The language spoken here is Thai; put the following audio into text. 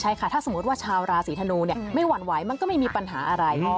ใช่ค่ะถ้าสมมุติว่าชาวราศีธนูเนี่ยไม่หวั่นไหวมันก็ไม่มีปัญหาอะไร